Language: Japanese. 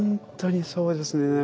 本当にそうですね。